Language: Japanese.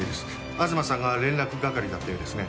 東さんが連絡係だったようですね。